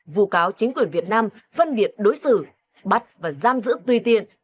vụ cáo chính quyền việt nam phân biệt đối xử bắt và giam giữ tùy tiện